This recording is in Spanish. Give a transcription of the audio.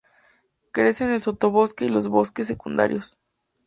Crece en el sotobosque y los bosques secundarios.